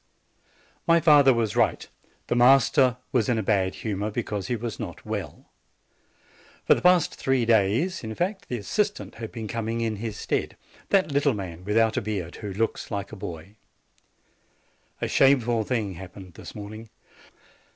MY father was right; the master was in a bad hu mor because he was not well; for the last three days, in fact, the assistant has been coming in his stead, that little man, without a beard, who looks like a boy. A shameful thing happened this morning.